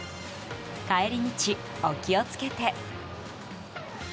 帰り道、お気を付けて。